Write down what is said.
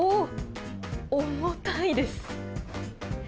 重たいです。